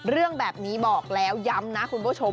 เรื่องแบบนี้บอกแล้วย้ำนะคุณผู้ชม